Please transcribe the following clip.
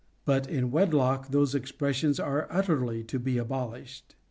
But in wed lock those expressions are utterly to be abolished.